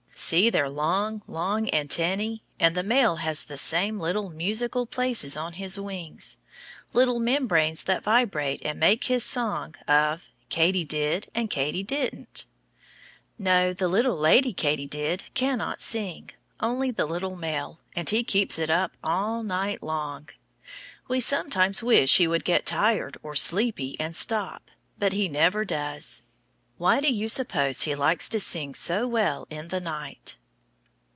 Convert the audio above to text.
See their long, long antennæ, and the male has the same little musical places on his wings, little membranes that vibrate and make his song of Katy did and Katy didn't. No, the little lady katydid cannot sing only the little male, and he keeps it up all night long. We sometimes wish he would get tired or sleepy and stop, but he never does. Why do you suppose he likes to sing so well in the night?